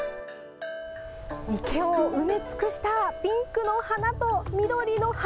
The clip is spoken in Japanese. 池を埋め尽くしたピンクの花と緑の葉。